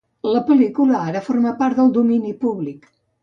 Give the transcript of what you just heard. La pel·lícula ara forma part del domini públic.